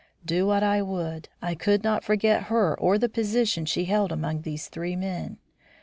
Do what I would, I could not forget her or the position she held among these three men.